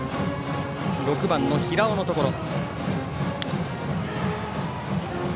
６番の平尾のところ。